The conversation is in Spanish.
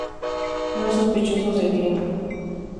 No hay sospechosos del crimen.